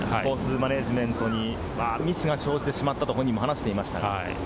マネジメントにミスが生じてしまったと本人も話していました。